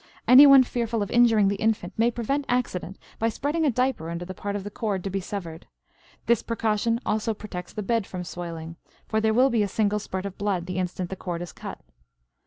Anyone fearful of injuring the infant may prevent accident by spreading a diaper under the part of the cord to be severed. This precaution also protects the bed from soiling, for there will be a single spurt of blood the instant the cord is cut.